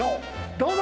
どうぞ。